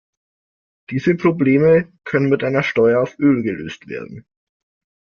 Diese Probleme können mit einer Steuer auf Öl gelöst werden.